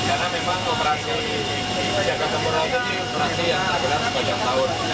karena memang operasi jaga tempur raya ini operasi yang tergelar sepanjang tahun